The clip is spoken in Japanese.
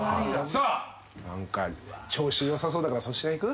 さあ何か調子良さそうだから粗品いく？